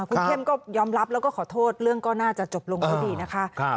คุณเข้มก็ยอมรับแล้วก็ขอโทษเรื่องก็น่าจะจบลงด้วยดีนะคะ